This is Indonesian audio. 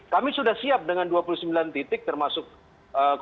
kami sudah siap dengan dua puluh sembilan titik termasuk kota